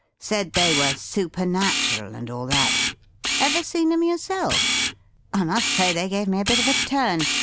Said they were supernatural and all that. Ever seen 'em yourself? I must say they gave me a bit of a turn.